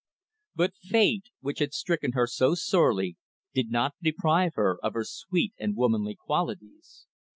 But fate, which had stricken her so sorely, did not deprive her of her sweet and womanly qualities.